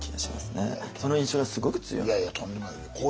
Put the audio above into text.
その印象がすごく強い。